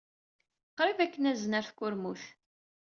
Qrib ad k-nazen ɣer tkurmut.